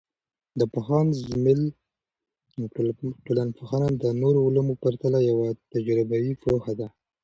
د پوهاند زیمل ټولنپوهنه د نورو علومو په پرتله یوه تجربوي پوهه ده.